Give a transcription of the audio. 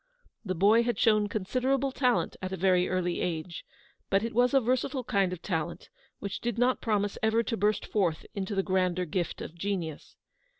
The boy had shown considerable talent at a very early age, but it was a versatile kind of talent which did not promise ever to burst forth into the grander gift of genius.